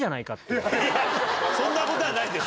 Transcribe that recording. そんなことはないですよ。